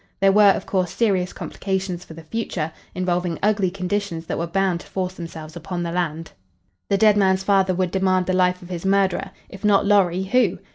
There were, of course, serious complications for the future, involving ugly conditions that were bound to force themselves upon the land. The dead man's father would demand the life of his murderer. If not Lorry, who?